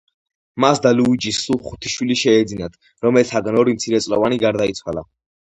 მას და ლუიჯის სულ ხუთი შვილი შეეძინათ, რომელთაგან ორი მცირეწლოვანი გარდაიცვალა.